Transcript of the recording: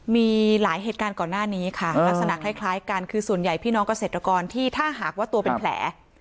มีหลายเหตุการณ์ก่อนหน้านี้ค่ะลักษณะคล้ายกันคือส่วนใหญ่พี่น้องเกษตรกรที่ถ้าหากว่าตัวเป็นแผล